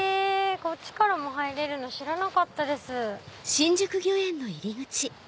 こっちからも入れるの知らなかったです。